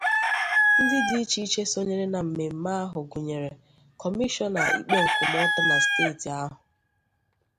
Ndị dị iche iche sonyere na mmemme ahụ gụnyèrè Kọmishọna ikpe nkwụmọtọ na steeti ahụ